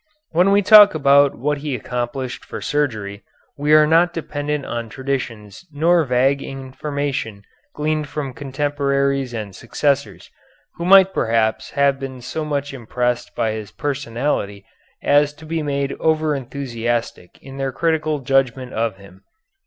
When we talk about what he accomplished for surgery, we are not dependent on traditions nor vague information gleaned from contemporaries and successors, who might perhaps have been so much impressed by his personality as to be made over enthusiastic in their critical judgment of him.